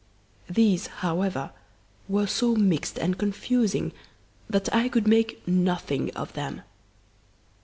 These, however, were so mixed and confusing that I could make nothing of them.